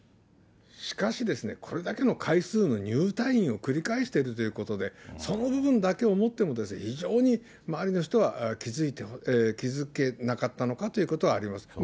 しかしですね、これだけの回数の入退院を繰り返しているということで、その部分だけをもっても、非常に周りの人は気付けなかったのかということはあります。